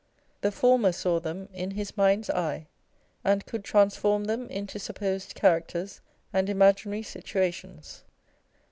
The former saw them in his " mind's eye," and could transform them into supposed characters and imaginary situations.